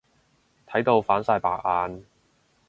睇到反晒白眼。